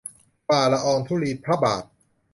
ฝ่าละอองธุลีพระบาท